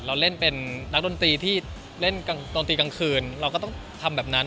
เราเล่นเป็นนักดนตรีที่เล่นดนตรีกลางคืนเราก็ต้องทำแบบนั้น